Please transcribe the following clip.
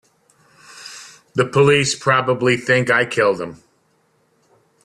The police probably think I killed him.